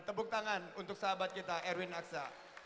tepuk tangan untuk sahabat kita erwin aksa